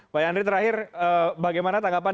pak yandri terakhir bagaimana tanggapan